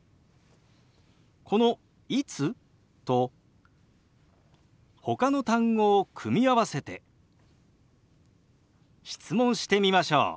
この「いつ？」とほかの単語を組み合わせて質問してみましょう。